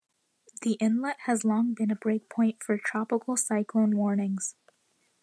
The inlet has long been a breakpoint for tropical cyclone warnings.